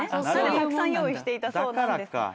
たくさん用意していたそうです。